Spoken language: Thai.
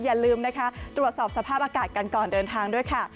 อย่าลืมนะคะตรวจสอบสภาพอากาศกันก่อนเดินทางด้วยค่ะ